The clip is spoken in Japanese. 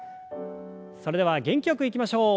それでは元気よくいきましょう。